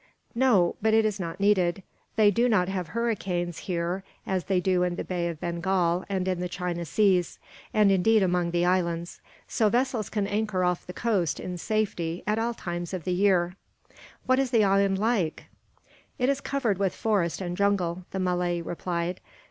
"No; but it is not needed. They do not have hurricanes, here, as they do in the Bay of Bengal and in the China Seas, and indeed among the islands; so vessels can anchor off the coast, in safety, at all times of the year." "What is the island like?" "It is covered with forest and jungle," the Malay replied.